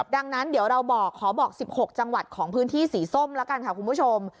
ดังนั้นเดี๋ยวเราบอกขอบอก๑๖จังหวัดของพื้นที่สีส้มแล้วกันค่ะคุณผู้ชม